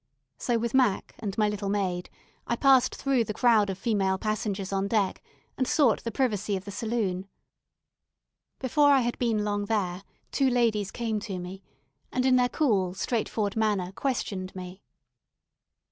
So, with Mac and my little maid, I passed through the crowd of female passengers on deck, and sought the privacy of the saloon. Before I had been long there, two ladies came to me, and in their cool, straightforward manner, questioned me.